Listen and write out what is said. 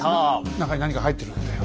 中に何か入ってるんだよ。